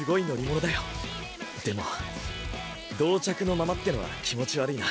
でも同着のままってのは気持ち悪いな。